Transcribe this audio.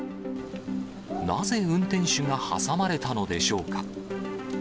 なぜ運転手が挟まれたのでしょうか。